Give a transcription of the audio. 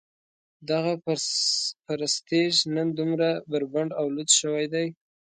دغه پرستیژ نن دومره بربنډ او لوڅ شوی دی.